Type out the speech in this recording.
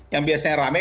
yang biasanya rame